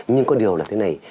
nhưng có điều là thế này